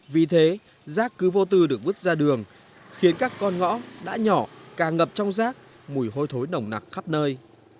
vì thế rác cứ vô tư được vứt ra đường khiến các con ngõ đã nhỏ càng ngập trong rác mùi hôi thối nồng nặc khắp nơi